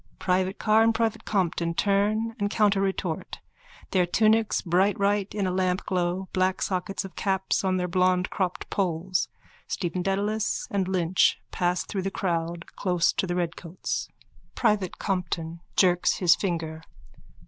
_(Private Carr and Private Compton turn and counterretort, their tunics bloodbright in a lampglow, black sockets of caps on their blond cropped polls. Stephen Dedalus and Lynch pass through the crowd close to the redcoats.)_ PRIVATE COMPTON: _(Jerks his finger.)